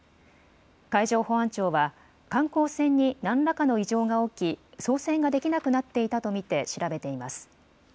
海上保安庁は観光船に何らかの異常が起き操船ができなくなっていたと見て調べています。